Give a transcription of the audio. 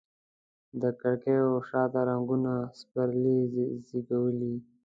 د کړکېو شاته رنګونو پسرلي زیږولي